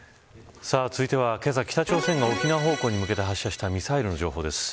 続いては、けさ北朝鮮が沖縄方向に向けて発射したミサイルの情報です。